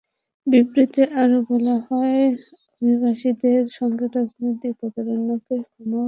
বিবৃতিতে আরও বলা হয়, অভিবাসীদের সঙ্গে রাজনৈতিক প্রতারণাকে ক্ষমা করা হবে না।